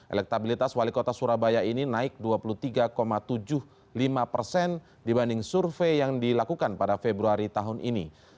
elektabilitas wali kota surabaya ini naik dua puluh tiga tujuh puluh lima persen dibanding survei yang dilakukan pada februari tahun ini